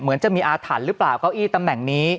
เหมือนจะมีอาถรรพ์หรือเปล่าเก้าอี้ตำแหน่งนี้